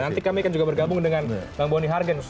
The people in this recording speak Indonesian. nanti kami akan juga bergabung dengan bang boni hargenus